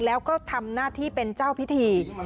แล้วก็ทำหน้าที่เป็นเจ้าพิธี